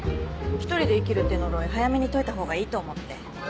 一人で生きるって呪い早めに解いた方がいいと思って。